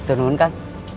ya tentu pak